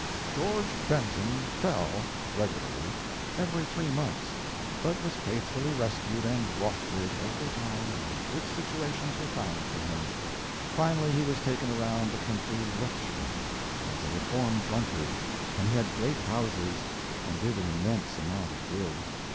George Benton fell, regularly, every three months, but was faithfully rescued and wrought with, every time, and good situations were found for him. Finally, he was taken around the country lecturing, as a reformed drunkard, and he had great houses and did an immense amount of good.